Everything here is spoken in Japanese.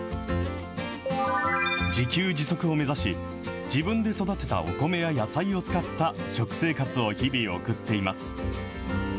自給自足を目指し、自分で育てたお米や野菜を使った食生活を日々、送っています。